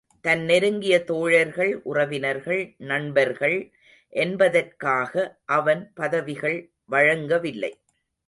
தன் நெருங்கிய தோழர்கள், உறவினர்கள் நண்பர்கள் என்பதற்காக அவன் பதவிகள் வழங்கவில்லை.